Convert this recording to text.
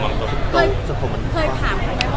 เคยถามได้ไหมว่า